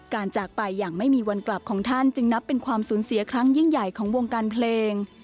จากไปอย่างไม่มีวันกลับของท่านจึงนับเป็นความสูญเสียครั้งยิ่งใหญ่ของวงการเพลง